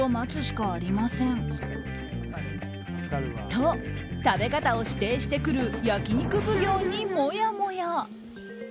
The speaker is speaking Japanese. と、食べ方を指定してくる焼肉奉行にもやもや。